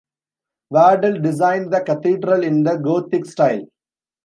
Wardell designed the cathedral in the Gothic style.